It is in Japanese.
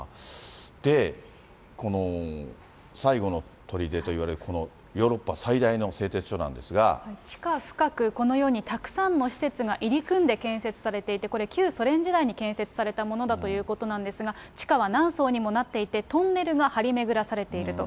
で、この最後のとりでといわれる、このヨーロッパ最大地下深く、このようにたくさんの施設が入り組んで建設されていて、これ、旧ソ連時代に建設されたというものだということですが、地下は何層にもなっていて、トンネルが張り巡らされていると。